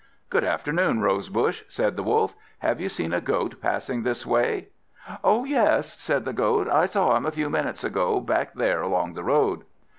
"Good afternoon, Rose bush," said the Wolf; "have you seen a Goat passing this way?" "Oh yes," said the Goat, "I saw him a few minutes ago back there along the road."